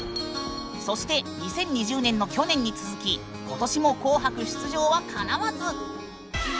そして２０２０年の去年に続き今年も「紅白」出場は叶わず。